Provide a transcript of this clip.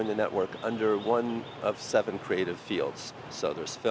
những gì unesco thực sự tìm kiếm trong văn hóa